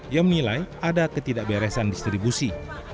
yang menilai ada ketidakberesan distribusi